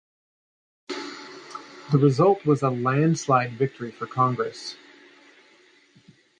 The result was a landslide victory for Congress.